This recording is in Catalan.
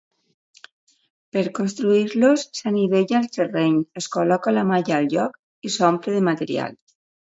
Per construir-los s'anivella el terreny, es col·loca la malla al lloc i s'omple de material.